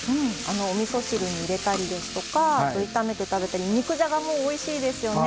おみそ汁に入れたりですとかあと炒めて食べたり肉じゃがもおいしいですよね。